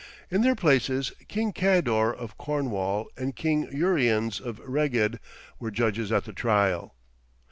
In their places, King Kador of Cornwall and King Uriens of Reged were judges at the trial.